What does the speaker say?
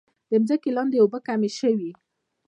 د ځمکې لاندې اوبه کمې شوي؟